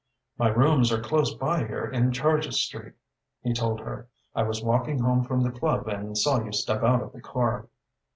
"My rooms are close by here in Charges Street," he told her. "I was walking home from the club and saw you step out of the car."